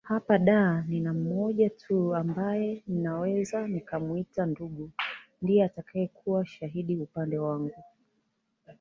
Hapa Dar nina mmoja tu ambaye nnaweza nikamwita ndugu ndiye atakayekuwa shahidi upande wangu